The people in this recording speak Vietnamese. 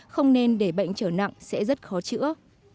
không nên để bệnh trở nặng sẽ rất khó chữa